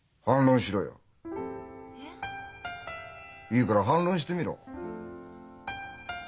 いいから反論してみろ。